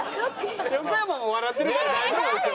横山も笑ってるから大丈夫でしょ？